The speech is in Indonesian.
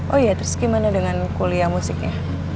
oh iya terus gimana dengan kuliah musiknya